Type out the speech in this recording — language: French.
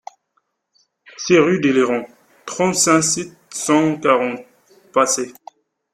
six rue des Lirons, trente-cinq, sept cent quarante, Pacé